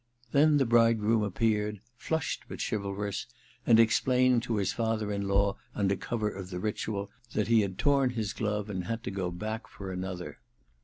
Then the bridegroom appeared, flushed but chivalrous, and explaining to his father in law under cover of the ritual that he had torn his glove and had to go back for another.